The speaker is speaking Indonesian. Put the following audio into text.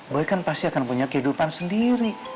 gue kan pasti akan punya kehidupan sendiri